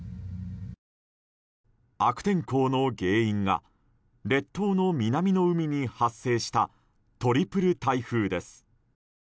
悪天候の原因が列島の南に発生したトリプル台風です。